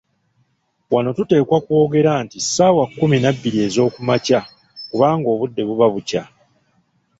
Wano tuteekwa kwogera nti ssaawa kkumi nabbiri ez'okumakya, kubanga obudde buba bukya.